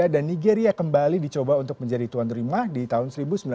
dan nigeria kembali dicoba untuk menjadi tuan rumah di tahun seribu sembilan ratus sembilan puluh lima